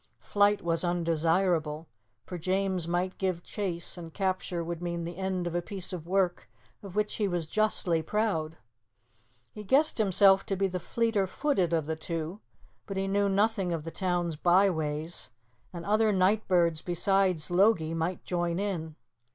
Flight was undesirable, for James might give chase, and capture would mean the end of a piece of work of which he was justly proud. He guessed himself to be the fleeter footed of the two, but he knew nothing of the town's byways, and other night birds besides Logie might join in.